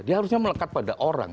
dia harusnya melekat pada orang